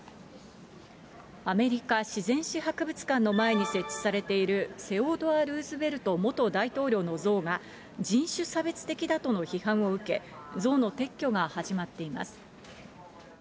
アメリカ自然史博物館の前に設置されている、セオドア・ルーズベルト元大統領の像が、人種差別的だとの批判を受け、像の撤去が始まっています。